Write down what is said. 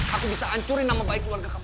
aku bisa ancurin nama baik keluarga kamu